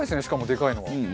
しかもでかいのは。